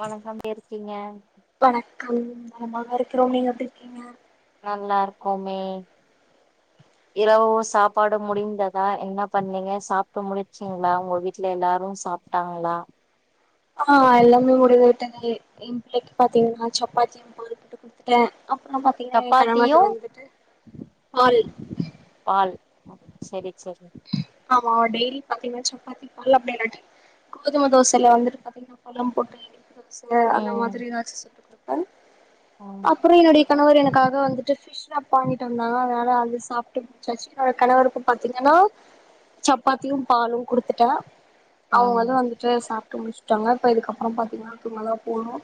வணக்கம் எப்டி இருக்கீங்க வணக்கம் நாங்க நல்லா இருக்குறோ நீங்க எப்டி இருக்கீங்க நல்லா இருக்கோமே [inaudible] இரவு சாப்பாடு முடிந்ததா என்ன பண்ணீங்க சாப்ட்டு முடிச்சிங்களா உங்க வீட்ல எல்லாரு சாப் ட்டாங்களா ஆ எல்லாமே முடிந்து விட்டேன் என் பிள்ளைக்கு பாத்தீங்கன்னா சப்பாத்தி என் பாருக்கிட்டு குடுத்துட்டேன் அப்றோ பாத்தீங்கன்னா என் சப்பாத்தியு கணவர் வந்துட்டு பால் பால் செரி செரி ஆமா டெய்லி பாத்தீங்கன்னா சப்பாத்தி அப்டி இல்லாட்டி கோதும தோசையில வந்துட்டு பாத்தீங்கன்னா பழம் போட்டு ச அந்த ம் மாதிரி ஏதாச்சு செஞ்சு கொடுப்பே ம் அப்றோ என்னுடைய கணவர் எனக்காக வந்துட்டு வந்தாங்க அதனால அது சாப்பட்டு முடிச்சாச்சு என்னோட கணவருக்கு பாத்தீங்கன்னா சப்பாத்தியு பாலு குடுத்துட்டே அவங்க வந்து ம் வந்துட்டு சாப்ட்டு முடிச் சுட்டாங்க அப்றோ இதுக்கு அப்றோ பாத்தீங்கன்னா தூங்கதா போணு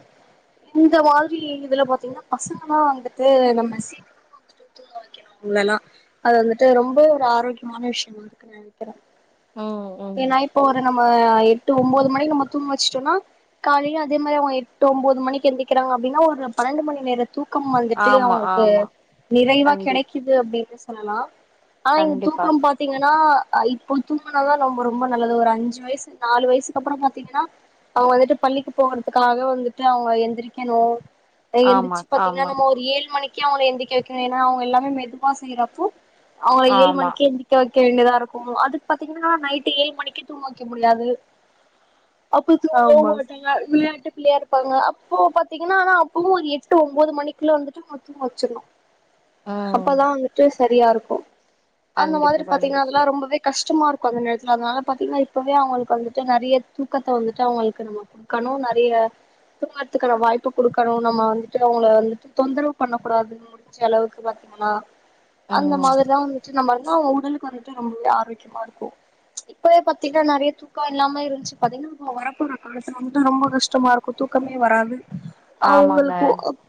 இந்த மாதிரி இதுல பாத்தீங்கன்னா பசங்கல்லா வந்துட்டு நம்ம நம்மல்லா அது வந்துட்டு ரொம்ப ஒரு ஆரோக்கியமான விஷ்யோ நெனைக்கிறே ம் ம் ஏன்னா இப்போ ஒரு நம்ம எட்டு ஒம்பது மணிக்கு நம்ம தூங்க வச்சுட்டோன்னா காலையில அதே மாரி அவங்க எட்டு ஒம்பது மணிக்கு எந்திக்கிறாங்க அப்டின்னா ஒரு பன்னெண்டு மணி நேர தூக்கம் வந்துட்டு ஆமா அவங்களுக்கு ஆமா நிறைவா கண்டி கெடைக்குது அப்டின்னு சொல்லலா ஆனா இங்க கண்டிப்பா தூக்க பாத் தீங்கன்னா அ இப்ப தூங்குனாதா நம்ம ரொம்ப நல்லது ஒரு அஞ்சு வயசு நாலு வயசுக்கு அப்புற பாத்தீங்கன்னா அவங்க வந்துட்டு பள்ளிக்கு போகறதுக்காக வந்துட்டு அவங்க எந்திரிக்கணு ஆமா எந்திச்சு பாத்திங்னா ஆமா நம்ம ஒரு ஏழு மணிக்கே அவங்கள எந்திக்க வைக்கணு ஏன்னா அவங்க எல்லாமே மெதுவா செய்றப்போ அவங்க ஏழு ஆமா மணக்கே எந்தி க்க வைக்க வேண்டியதா இருக்கு அதுக்கு பாத்தீங்கன்னா நைட்டு ஏழு மணிக்கு தூங்க வைக்க முடியாது அப்போ தூங்கவே ஆமா மாட்டாஙக விளையாட்டு பிள்ளையா இருப் பாங்க அப்போ பாத்தீங்கன்னா ஆனா அப்பவு எட்டு ஒம்போது மணிக்குள்ள வந்துட்டு தூங்க வெச்சிடுவோ ம் அப்பதா வந்துட்டு சரியா இருக்கு அந்த கண்டிப்பா மாதிரி செவன் அப்டி பாத்தீங்கன்னா அதெல்லா ரொம்பவே கஷ்டமா இருக்கு அந்த நேரத்துல பாத்தீங்கன்னா இப்பவே அவங்களுக்கு வந்துட்டு நறைய தூக்கத்த வந்துட்டு அவங்களுக்கு நம்ம க்கனு நறைய தூங்கறதுக்கான வாய்ப்பு குடுக்கணு நம்ம வந்துட்டு அவங்க வந்துட்டு தொந்தரவு பண்ணக்கூடாது முடிஞ்ச அளவுக்கு பாத்தீங்கன்னா அந்த ம் மாதிரிலா வந்துட்டு நம்ம வந்து அவங்க உடலு க்கு வந்துட்டு ரொம்பவே ஆரோக்கியமா இருக்கு இப்பவே பாத்தீங்ன்னா நறைய தூ க்க இல்லாம இருந்ச்சு பாத்தீங்கன்னா நம்ம வரப்போற காலத்துல வந்து ரொம்ப கஷ்டமா இருக்கு தூக்கமே வராது ஆமாங்க அவுங்களுக்கு அப்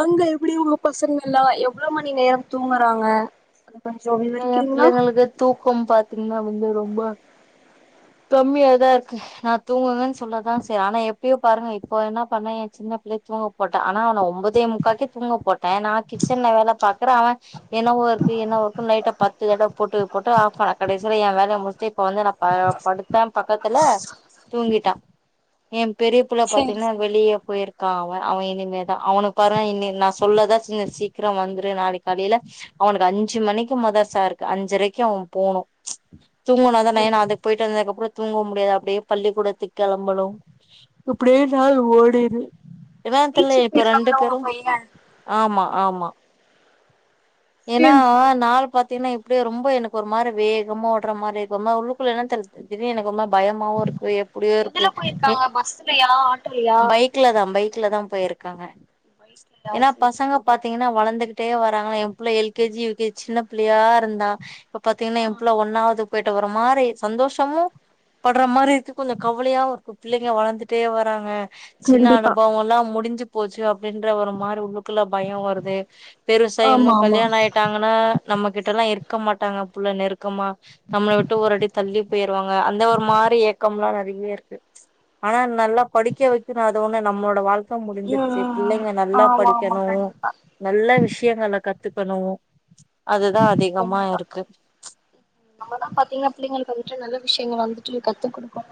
அங்க எப்டி உங்க பசங்கல்லா எவ்ளோ மணி நேரம் தூங்குறாங்க கொஞ்சோ ஏ விவரிக்கிறீங்களா பிள்ளைங்களுக்கு தூக்கம் பாத்தீங்கன்னா வந்து ரொம்ப கம்மியா தா இருக்கு நா தூங்குனுன் சொல்லதா செய் ஆனா எப்பயோ பாருங்க இப்போ என்ன பண்ணெ எ சின்ன பிள்ளைய தூங்க போட்ட ஆனா அவன ஒன்பதே முக்காக்கே தூங்க போட்டே நா கிச்சன்ல வேல பாக்குற அவ என்னவோ இருக்கு என்னவோ இருக்குன் லைட்ட பத்து தடவ போட்டு போட்டு ஆஃப் பண்ணா கடைசில எ வேலைய முச்ட்டு இப்ப வந்து நா ப படுத்தே பக்கத்துல தூங்கிட்டா எ பெரியப்புள்ள சேரி பாத்தீங்கன்னா சேரி வெளிய போயிருக் கா அவ அவ இனிமேதா அவனுக் பாருங்க இனி நா சொல்லதா செஞ்ச சீக்கிரோ வந்துரு நாளிக் காலையில அவனுக்கு அஞ்சு மணிக்கு மதர்சா இருக்கு அஞ்சரைக்கு அவ போனோ தூங்குனாதான ம் ஏனா அது போயிட்டு வந்ததுக்கப்றோ தூங்க முடியாது அப்டியே பள்ளிக்கூடத்துக் கெளம்பனோ இப்டியே நாள் ஓடிரு இன்னான் தெர்ல பீச்சுக்கு இப்ப ரெண்டு போயிருக்காங்களா உங்க பேரு பைய ஆமா ஆமா ஏன்னா சேரி சேரி நாள் பாத்தீங்ன்னா இப்டியே ரொம்ப எனக்கு ஒரு மாரி வேகமா ஓடுற மாரி இருக்கு [unintelligible] குள்ள என்ன தெர்ல திடீனு எனக்கொரு மா பயமாவு இருக்கு எப்டியோ இருக்கு எதுல எ போயிருக்காங்க பஸ்லயா ஆட்டோலயா பை க்ல தா பைக்ல தா போயிருக்காங்க பைக்லயா ஏன்னா சேரி பசங்க சேரி பாத்தீங்ன்னா வளந்துகு ட்டே வராங்களா எ புள்ள L K G U K G சின்ன புள்ளையா இருந்தா இப்ப பாத்தீங்ன்னா ஆ எ புள்ள ஒன்னாவது போயிட்டா ஒரு மாரி சந்தோஷமு படுற மாரி இருக்கு கொஞ்சோ கவலையாவு இருக்கு பிள்ளைங்க வளந்துட்டே வராங்க சின்ன கண்டிப்பா அனுபவோல்லா முடிஞ்சு போச்சு அப் டின்ற ஒரு மாரி உள்ளுக்குள்ள பயோ வருது பெருசாய் இன்னோ ஆமா ஆமா கல்யாணோ ஆயிட்டாங்கன்னா நம்மக்கிட்டல்லா இருக்க மாட்டாங்க புள்ள நெருக்கமா நம்மள விட்டு ஒரு அடி தள்ளிப் போயிருவாங்க அந்த ஒரு மாரி ஏக்கம்ல்லா நெறைய இருக்கு ஆனா நல்லா படிக்க வைக்கிற அது ஒண்ணு நம்மளோட வாழ்க் க ம் முடிஞ்சிருச்சு ம் ம் பிள்ளைங்க நல்லா ஆமா ஆமா படிக்கனோ கண்டிப்பா நல்ல விஷயங்கள கத்துக்கனோ அதுதா அதிகமா இருக்கு நம்மல்லா பாத்தீங்ன்னா பிள்ளைங்களுக்கு வந்துட்டு நல்ல விஷயங்கள வந்துட்டு கத்துக் குடுக்கோ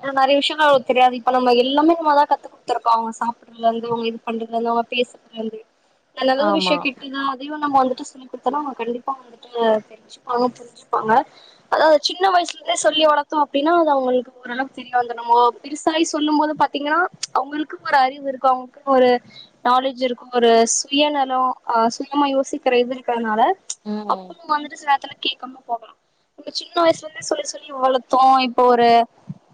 ஏன்னா நெறைய விஷயங்கள் அவங்ளுக்குத் தெரியாது இப்ப நம்ம எல்லாமே நம்மதா கத்துக் குத்துருக்கோ அவங்க சாப்புட்றதுலந்து அவுங்க இது பண்றதுலந்து அவுங்க பேசதுலந்து நல்ல நல்ல ஆமா விஷயோ கிட்டு னா அதையு நம்ம வந்துட்டு சொல்லி குடுத்தோன்னா கண்டிப்பா வந்துட்டு தெரிஞ்சுப்பாங்க புரிஞ்சி ப்பாங்க அதா சின்ன வயசுல இருந்தே சொல்லி வளத்தோ அப்டின்னா அது அவங்களுக்கு ஓரளவுக்கு பிரியாந்து நம்மோ பெருசாயி சொல்லும் போது பாத்தீங்கன்னா அவுங்ளுக்குன் ஒரு அறிவு இருக்கோ அவுங்களுக்குன் ஒரு நாலேஜ் இருக்கோ ஒரு சுயநலோ அ சுயமா யோசிக்கிற இது இருக்கிறனால ம் அப்போ வந்துட்டு சில நேரத்துல கேக்காம போகலா இந்த சின்ன வயசுலந்தே சொல்லி சொல்லி வளத்தோ இப்போ ஒரு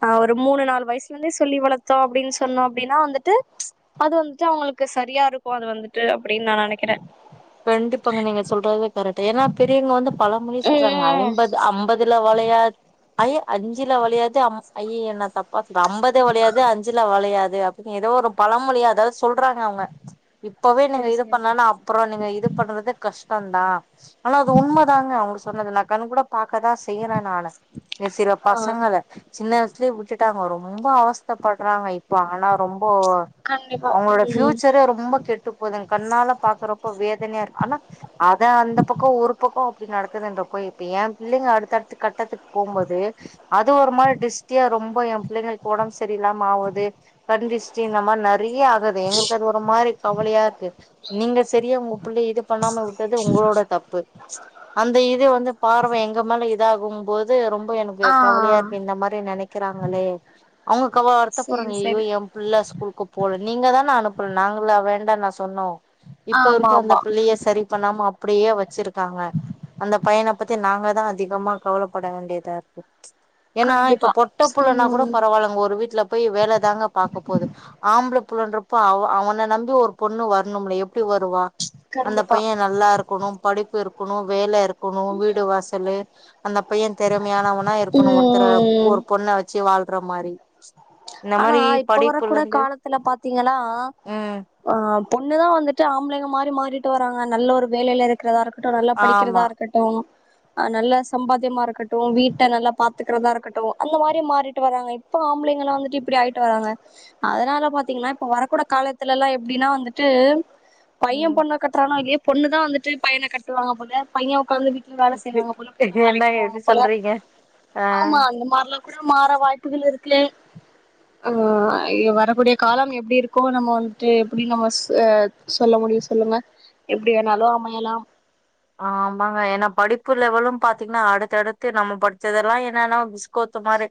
அ ஒரு மூணு நாலு வயசுலந்தே சொல்லி வளத்தோ அப்புடின் சொன்னோ அப்டின்னா வந்துட்டு அது வந்துட்டு அவுங்களுக்கு சரியா இருக்கோ அது வந்துட்டு அப்புடின்னு நா நனைக்கிற கண்டிப்பாங்க நீங்க சொல்றது கரெட்டு ஏன்னா பெரியவங்க வந்து பழ மொழி சொல்றாங்க ம் ஐம்பது அம்பதுல வளையாத் ஐய்ய அஞ்சுல வளையாது அம் அய்யய்ய நா தப் பா சொல்ட்ட அம்பது வளையாது அஞ்சுல வளையாது அப்டின்னு ஏதோ ஒரு பழமொழி அதாவது ஸ் சொல்றாங்க அவங்க இப்பவே நீங்க சரி இது சரி பண்லன்னா அப்புறோ நீங்க இது பண்றதுக்கு கஷ்டோந்தா ஆனா அது உண்மதாங்க அவுங்க சொன்னது நா கண் கூட பாக்கதா செய்ற நானு ங்க சில ஆ பசங்கள சின்ன வயசுலயே விட்டுட்டாங்க ரொம்ப அவஸ்த்தப்பட்றாங்க இப்ப ஆனா ரொம்போ கண்டிப்பா அவங்ளோட ம் ஃபியூச்சரே ரொம்ப கெட்டு போதுங் கண்ணால பாக்குறப்போ வேதனையா இருக் ஆனா அதா அந்த பக்கோ ஒரு பக்கோ அப்புடி நடக்குதுன்றப்போ இப்போ ஏ பிள்ளைங்க அடுத்த அடுத்து கட்டத்துக்கு போகும்போது அது ஒரு மாரி டிரிஷ்டியா ரொம்ப எ பிள்ளைங்களுக்கு ஒடம் சரியல்லாம ஆவுது கண் திருஷ்ட்டி இந்த மாரி நறைய ஆகுது எங்களுக்கு அது ஒரு மாரி கவலையா இருக்கு நீங்க உங்கே புள்ளைய இது பண்ணாம உட்டது உங்களோட தப்பு அந்த இது வந்து பார்வை எங்க மேல இதாகும் போது ரொம்போ எனக் ங்கு ஆ கவலையா இருக்கு இந்த மாரி நெனைக்கிறாங்களே அவங்க க சரி வருத்தப்பட்றாங்க ஐய்யயோ சரி ஏம் பிள்ள ஸ்கூலுக்கு போல நீங்க தான் நான் அனுப்புல நாங்களா வேண்டான்னா சொன்னோ இப்ப ஆமா இருக்க அந்த ஆமா பிள்ளைய சரி பண்ணாம அப்புடியே வச்சிருக்காங்க அந்த பையனப் பத்தி நாங்க தா அதிகமா கவலப்பட வேண்டியதாருக்கு ஏன்னா இப்ப கண்டிப்பா பொட்டப் புள்ளன்னா கூட ம் பரவால்லங்க ஒரு வீட்லப் போய் வேல தாங்க பாக்க போது ஆம்பள புள்ளன்றப்ப அவ அவன நம்பி ஒரு பொண்ணு வர்ணும்ல எப் ட்டு வருவா அந்த கண்டிப்பா பையன் நல்லா இருக்கணும் படிப்பு இருக்கணும் வேல இருக் க்குணும் வீடு வாசலு அந்த பையன் திறமையானவனா இருக்கணும் ஒருத்தரப் ம் ஒரு பொண்ண வச் ச்சி வாழ்ற மாரி இந்த ஆனா மாரி இப்ப வரக் படிப்புல கூட இருந்து காலத்துல பாத்தீங்கனா ம் ஆ பொண்ணுதான் வந்துட்டு ஆம்பளைங்க மாறி மாறிட்டு வராங்க நல்ல ஒரு வேலையில இருக் க்குறதா இருக்கட்டும் நல்லா ஆமா படிக்கிறதா இருக்கட்டும் ஆ நல்ல சம்பாத்தியமா இருக்கட்டும் வீட்ட நல்லா பாத்துக்கிறதா இருக்கட்டும் அந்த மாரி மாறிட்டு வராங்க இப் ப்போ ஆம்பளைங்கள்லா வந்துட்டு இப் ப்புடி ஆயிட்டு வராங்க அதனால பாத்தீங்கன்னா இப்ப வரக்கூட காலத்துலலெல்லா எப்டின்னா வந்துட்டு பையன் ம் பொண்ண கட்றானோ இல்லையோ பொண்ணு தான் வந்துட்டு பையன கட்டுவாங்க போல பையன் ஒக்காந்துகிட் ல்ல வேல செய்வாங்க போல பொண்ணு வேலைக்கு என்ன போவாங்க எப்டி போல சொல்றீங்க ஆ ஆமா அந்த மார்லா கூட மாற வாய்ப்புகள் இருக்கு ஆ ஆ எ வரக்கூடிய காலம் எப்புடி இருக்கோ நம்ம வந்துட்டு எப்புடி நம்மஸ் ஆ சொல்ல முடியும் சொல்லுங்க எப்டி வேணாலும் அமையலாம் ஆமாங்க ஏன்னா படிப்பு லெவலும் பாத்தீங்ன்னா அடுத்தடுத்து நம்ம படிச்சதெல்லா என்னன்னா பிஸ் கோத்த மாரி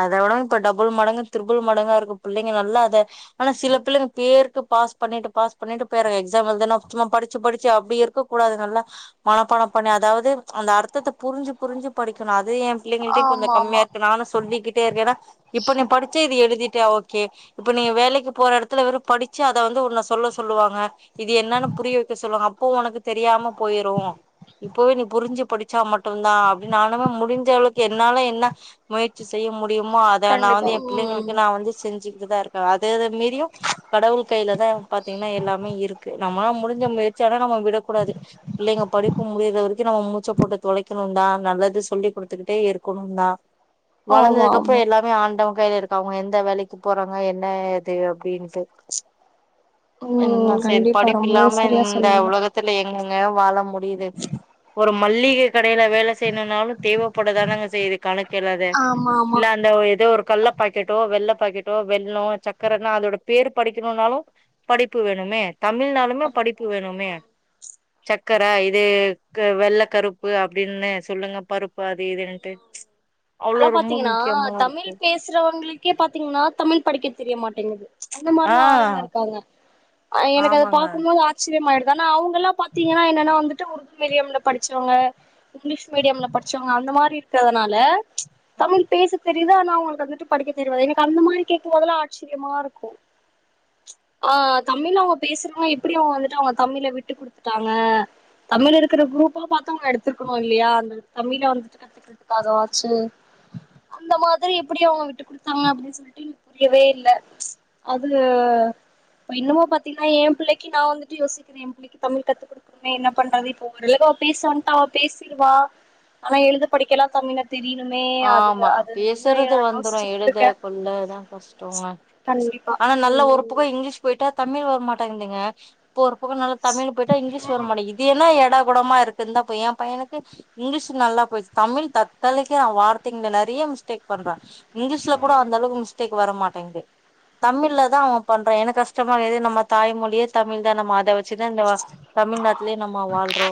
அத விடு இப்ப டபுள் மடங்கு த்ரிபுள் மடங்கா இருக்கு பிள்ளைங்க நல்லா அத ஆனா சில பிள்ளைங்க பேருக்கு பாஸ் பண்ணிட்டு பாஸ் பண்ணிட்டு போயறாங்க எக்ஸாம் எழுதுனா சும்மா படிச்சு படிச்சு அப்படி இருக்கு கூடாது நல்லா மனப்பணம் பண்ணி அதாவது அந்த அர்த்தத்தை புரிஞ்சு புரிஞ்சு படிக்கணு அது ஏம் பிள்ளைங்கள்டயும் கொஞ்ச ஆமா ஆமா கம்மியா இருக்கு நானு சொல்லிக்கிட்டே இருக்கே ஏன்னா இப்ப நீ படிச்சே இது எழுதிட்டா ஓகே இப்ப நீங் வேலைக்கு போற எடத்துல வெறு படிச்சு அத வந்து உன்ன சொல்ல சொல்லுவாங்க இது என்னனு புரிய வைக்க சொல்லுவாங்க அப்போ ஒனக்கு தெரியாம போயிரு இப்பவே நீ புரிஞ்சு படிச்சா மட்டுந்தா அப்படின்னாலுமே முடிஞ்ச அவுளுக்கு என்னால என்ன முயற்சி செய்ய முடியுமோ அத நா கண்டிப்பா வந்து எ ம் பிள்ளைங்களுக்கு நா வந்து செஞ்சுக்கிட்டு தா இருக்கே அதது மீரியு கடவுள் கைலதா பாத்தீங்ன்னா எல்லாமே இருக்கு நம்மல்லா முடிஞ்ச முயற்சி ஆனா நம்ம விடக்கூடாது இல்லைங்க படிப்பு முடியற வரைக்கு நம்ம மூச்ச போட்ட தொலைக்கணுந்தா நல்லது சொல்லிக் குடுத்துக்கிட்டே இருக்கணுந்தா ஆமா வளந்ததுக்கு அப்பற ஆமா எல்லாமே ஆண்டவன் கைல இருக்க அவங்க எந்த வேலைக்கு போறாங்க என்ன இது அப்டின்ட்டு என்ன ம் சரிப் கண்டிப்பா படிப்பு ரொம்பவே இல்லாம சரியா இந்த சொன்னீங்க உலக தோழி எங்கெங்க வாழ முடியுது ஒரு மல்லிகை கடையில வேலை செய்யணுனாலு தேவப் பட தானங்க செய்து கணக்கே இல்லாத ஆமா ஆமா இல்ல அந்த ஏதோ ஒரு கண்டிப்பா கள்ள பாக்கெட்டோ வெள்ள பாக்கெட்டோ வெள்ளோ சக்கரனா அதோட பேர் படிக்கணுனாலு படிப்பு வேணுமே தமிழ் நாலுமே படிப்பு கண்டிப்பா வேணுமே சக்கர இது க்கு வெள்ள கருப்பு அப்படின்னு சொல்லுங்க பருப்பு அது இதுன்ட்டு அவ்ளோ அதப் ரொம்ப பாத்திங்கன்னா முக்கியமா தமிழ் இருக்கு பே சறவங்களுக்கே பாத்தீங்ன்னா தமிழ் படிக்க தெரிய மாட்டேங்குது அந்த ஆ மாரிலா ஆளுங்க இருக்காங்க ஆ எனக்கு அதை ஆமாங்க பாக்கும் போது ஆ ச்சரியமாயிடுதான அவங்கல்லா பாத்தீங்கன்னா என்னன்னா வந்துட்டு உருது மீடியம்ல படிச்சவங்க இங்கிலீஷ் மீடியம்ல படிச்சவங்க அந்த மாரி இருக்கிறதுனால ம், தமிழ் பேச தெரியுது ஆனா அவங்களுக்கு வந்துட்டு படிக்க தெரியாது எனக்கு அந்த மாரி கேக்கும் போதெல்லா ஆச் சரியமா இருக்கு ஆ தமிழ் அவங்க பேசுன்னா எப்டி அவங்க வந்துட்டு அவங்க தமிழா எப்டி விட்டு குடுத்துட்டாங்க தமிழ் இருக்கு குரூப்பா பாத்து நான் எடுத்துருக்கணு இல்லையா அந்த தமிழ வந்துட்டு கத்துக்கிறதுக்காகவது சேர் அந்த மாதிரி எப்படி அவங்க விட்டு குடுத்தாங்க அப்படின்னு சொல்லிட்டு பிடிக்கவே இல்ல அதுல இப்ப இன்னுமு பாத்தீன்னா எ பிள்ளைக்கு நா வந்துட்டு யோசிக்கிறே எ பிள்ளைக்கு தமிழ் கத்து குடுக்கனு என்ன பண்றது இப்ப ஒரு வேல அவ பேசா வண்ட்டா அவ பேசிருவா ஆனா எழுத படிக்கலா தமிழ் தா ஆமா பேசுறது நா வந்துரு யோசிச்சுக்கிட்டு எழுத இருக்க கொள்ளதா கஷ்டமாருக்கு கண்டிப்பா ஆனா நல்ல ஒரு ம் பக்கோ இங்கிலீஷ் போயிட்டா தமிழ் வரமாட்டந்துங்க இப்ப ஒரு பக்கோ நல்லா தமிழ் போயிட்டா இங்கிலீஷ் வரமாடிக்குது இது என்னா ஏடாகூடமாருக்கு இந்த [unintelligible] எ பையனுக்கு இங்கிலீஷ் நல்லா போயிச்சு தமிழ் தத்தளிக் நா வார்த்தைங்க நெறைய மிஸ்டேக் பண்றே இங்கிலீஷ்ல கூட அந்தளவுக்கு மிஸ்டேக் வர மாட் [unintelligible] தமிழ்ல தா அவ பண்ற எனக்கு கஷ்டமா ஏது நம்ம தாய்மொழியே தமிழ் தா நம்ம அத வச் வச்சுதாண்டா தமிழ்நாட்லயே நம்ம வாழ்றோ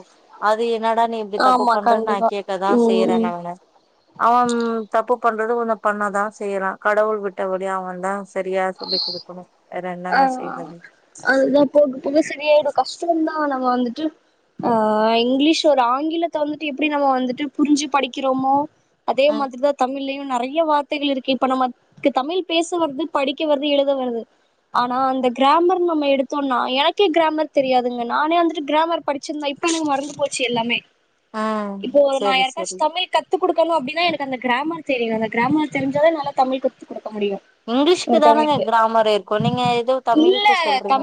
அது என்னடா நீ இப்டி தப்பு ஆமா பண்ற நா கண்டிப்பா கேக்கதா ம் செய்றே ம் நானு அவன் தப்பு பண்றது கொஞ்ச பண்ண தா செய்யறா கடவுள் விட்டவழி அவந்தா சரியா சொல்லி குடுக்கணு வேற ஆ என்னங்க செய்றது அதுதா போக போக சரியாயிடு கஷ்டந்தா நம்ம வந்துட்டு ஆ இங்கிலீஷ் ஒரு ஆங்கிலத்த வந்துட்டு எப்படி நம்ம வந்துட்டு புரிஞ்சு படிக்கிறோமோ அதே ம் மாதிரிதா தமிழலையு நெறைய வார்த்தைகள் இருக்கு இப்ப நம்மக்கு தமிழ் பேச வருது படிக்க வருது எழுத வருது ஆனா அந்த கிராமர் நம்ம எடுத்தோம்னா எனக்கே கிராமர் தெரியாதுங்க நானே வந்துட்டு கிராமர் படிச்சிருந்தா இப் பண்ணே மறந்து போச்சு எல்லாமே ம் இப்போ நா செரி யாருக்காச்சு செரி தமிழ் கத்துக் கொடுக்கணு அப்டின்னா எனக்கு அந்த கிராமர் தெரியனு அந்த கிராமர் தெரிஞ்சாதா என்னால தமிழ் கத்துக் கொடுக்க முடியு இங்கிலீஷ்க்கு தானேங்க ஒருத்தவங்களுக்கு கிராமர் இருக்கு நீங்க எதோ தமிழுக்கு சொல்றீங்க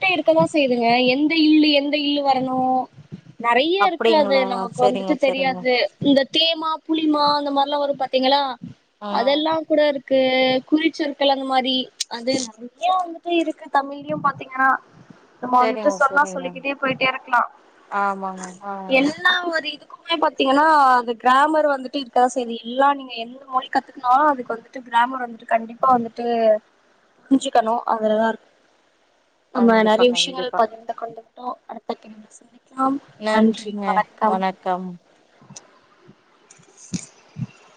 விட்டா இருக்கதா செய்யுதுங்க எந்த இள்ளு எந்த இல்லு வரணு நிறைய இருக்கு அது அப்டிங்களா நமக்கு செரிங்க வந்துட்டு செரிங்க தெரியாது இந்த தேமா புளிமா அந்த மாதிரிலா வரு பாத்தீங்ளா ஆ அதெல்லா கூட இருக் க்கு குறிச்சொற் கிழங்கு மாரி அது நெறையா வந்துட்டு இருக்கு தமிழ்லையு பாத்தீங்ன்னா நம்ம வந்துட்டு செரிங்க சொன்னா செரிங்க சொல்லிக்கிட்டே போய்ட்டே இருக்லா ஆமாங்க ஆ எல்லா ஒரு இது எப்பவுமே பாத்தீங்கன்னா அது கிராமர் வந்துட்டு இருக்கதா செய்து எல்லா நீங்க எல்லா மொழி கத்துக்குனா அதுக்கு வந்துட்டு கிராமர் வந்துட்டு கண்டிப்பா டிப்பா வந்துட்டு புரிஞ்சிக்கணு அதுலா இருக்கு நம்ம கண்டிப்பா நிறைய விஷயங்கள் கண்டிப்பா பகிர்ந்து கொண்டுக்கிட்டோ அடுத்த பதிவுல சந்திப் மேம் நன்றி வணக்கம் கம்